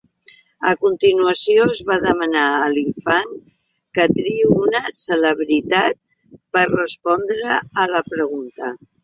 A continuació, es va demanar a l'infant que triï una celebritat per respondre a la pregunta.